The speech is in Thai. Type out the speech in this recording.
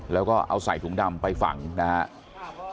แล้วก็เอาใส่ถุงดำไปฝังนะครับ